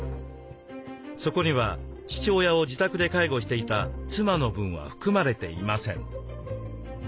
そこには父親を自宅で介護していた妻の分は含まれていません。